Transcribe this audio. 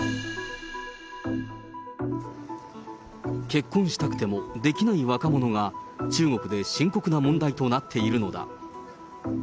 結婚したくてもできない若者が、中国で深刻な問題となっているのだ。